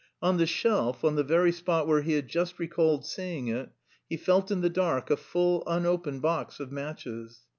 On the shelf, on the very spot where he had just recalled seeing it, he felt in the dark a full unopened box of matches.